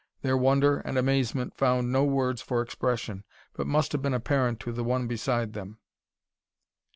Their wonder and amazement found no words for expression but must have been apparent to the one beside them.